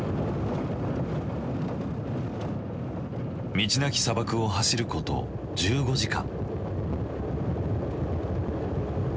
道なき砂漠を走ること１５時間。